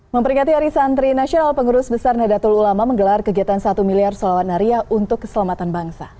memperingati hari santri nasional pengurus besar nadatul ulama menggelar kegiatan satu miliar salawat nariah untuk keselamatan bangsa